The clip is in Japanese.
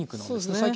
そうですね